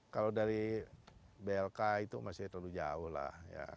kalau dari blk itu masih terlalu jauh lah ya